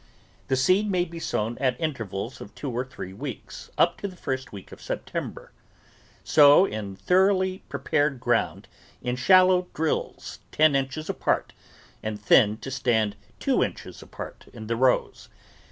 The seed may be so"\vn at intervals of two or three weeks up to the first of September. Sow in thoroughly prepared ground in shallow drills ten inches apart and thin to stand two inches apart in THE VEGETABLE GARDEN the rows.